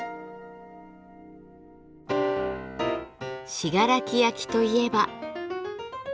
信楽焼といえば。